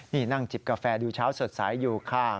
นี่นั่งจิบกาแฟดูเช้าสดใสอยู่ค่ะ